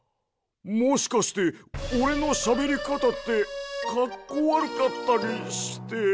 もしかしておれのしゃべりかたってかっこわるかったりして？